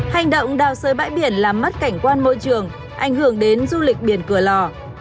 hành động đào sới bãi biển làm mất cảnh quan môi trường ảnh hưởng đến du lịch biển cửa lò